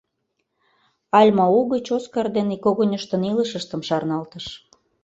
Альма угыч Оскар дене когыньыштын илышыштым шарналтыш.